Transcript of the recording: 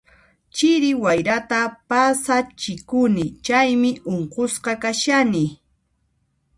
Chiri wayrata pasachikuni, chaymi unqusqa kashani.